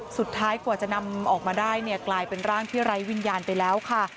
สุดท้ายกว่าจะนำออกมาได้เนี่ยกลายเป็นร่างที่ไร้วิญญาณไปแล้วค่ะ